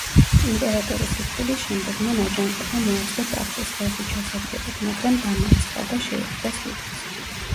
იმპერატორის სიკვდილის შემდეგ მან აჯანყება მოაწყო ტახტის ხელში ჩასაგდებად, მაგრამ დამარცხდა და შეიპყრეს კიდეც.